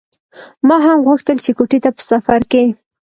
ما هم غوښتل چې کوټې ته په سفر کې.